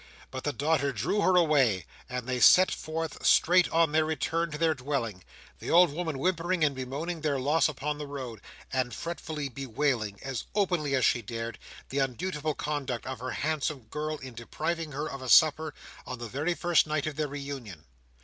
But the daughter drew her away, and they set forth, straight, on their return to their dwelling; the old woman whimpering and bemoaning their loss upon the road, and fretfully bewailing, as openly as she dared, the undutiful conduct of her handsome girl in depriving her of a supper, on the very first night of their reunion.